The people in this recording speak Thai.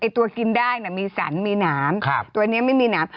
ตัวกินได้มีสรรมีหนามตัวนี้ไม่มีหนาม